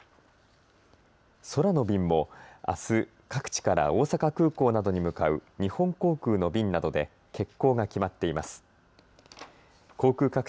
空の便もあす各地から大阪空港などに向かう日本航空の便などで欠航が決まっています。